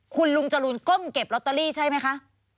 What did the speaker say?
คุณลุงจรูนก้มเก็บลอตเตอรี่ใช่ไหมคะ